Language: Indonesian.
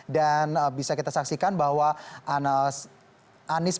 dan bisa kita saksikan bahwa anies baswedan didampingi oleh sang istri